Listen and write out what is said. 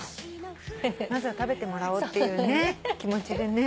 まずは食べてもらおうっていうね気持ちでね。